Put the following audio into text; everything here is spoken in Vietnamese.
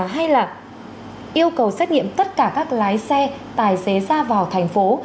hay là yêu cầu xét nghiệm tất cả các lái xe tài xế ra vào thành phố